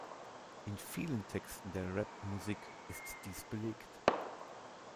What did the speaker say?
In vielen Texten der Rap-Musik ist dies belegt.